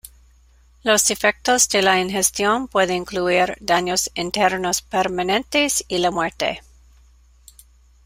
Los efectos de la ingestión pueden incluir daños internos permanentes y la muerte.